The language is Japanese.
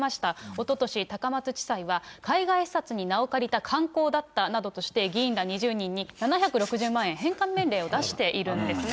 おととし、高松地裁は、海外視察に名を借りた観光だったなどとして、議員ら２０人に７６０万円返還命令を出しているんですね。